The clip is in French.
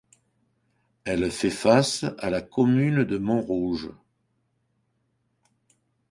Elle fait face à la commune de Montrouge.